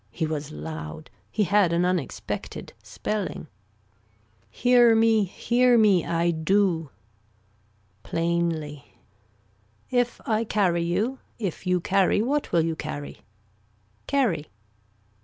He was loud. He had an unexpected spelling. Hear me hear me I do. Plainly. If I carry you. If you carry, what will you carry. Carrie.